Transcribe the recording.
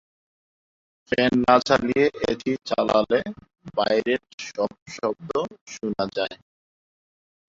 Fan না চালিয়ে AC চালালে বাইরের সব শব্দ শোনা যায়।